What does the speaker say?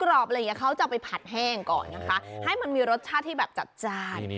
อะไรอย่างนี้เขาจะเอาไปผัดแห้งก่อนนะคะให้มันมีรสชาติที่แบบจัดจ้าน